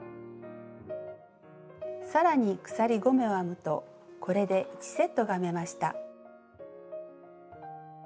更に鎖５目を編むとこれで１セットが編めました。